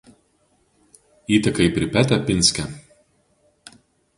Įteka į Pripetę Pinske.